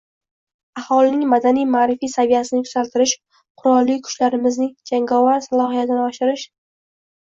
Aholining madaniy-ma’rifiy saviyasini yuksaltirish, Qurolli Kuchlarimizning jangovar salohiyatini oshirish